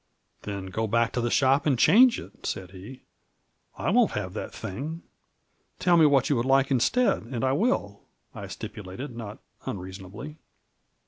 " Then go back to the shop and change it," said he ;" I won't have that thing !"" Tell me what you would like instead, and I will," I stipulated, not unreasonably.